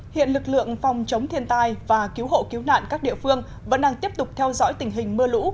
hiện lực lượng phòng chống thiên tai và cứu hộ cứu nạn các địa phương vẫn đang tiếp tục theo dõi tình hình mưa lũ